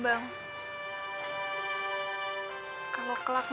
apalagi semua itu tanpa keikhlasan bang